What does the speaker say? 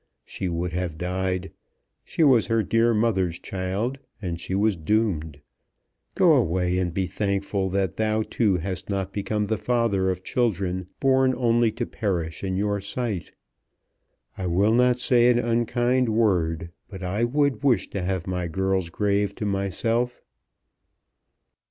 She would have died. She was her dear mother's child, and she was doomed. Go away, and be thankful that thou, too, hast not become the father of children born only to perish in your sight. I will not say an unkind word, but I would wish to have my girl's grave to myself."